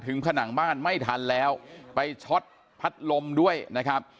ผนังบ้านไม่ทันแล้วไปช็อตพัดลมด้วยนะครับ